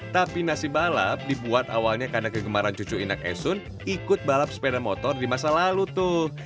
tapi nasi balap dibuat awalnya karena kegemaran cucu inak esun ikut balap sepeda motor di masa lalu tuh